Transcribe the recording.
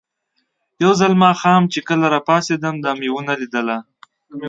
یو ځل ماښام چې کله راپاڅېدم، دا مې ونه لیدله.